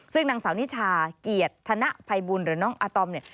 ซึ่งนางสาวนิชาเกลียดธนภัยบุญหรือน้องอาตอม